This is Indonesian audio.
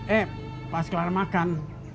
eh pas kelar makan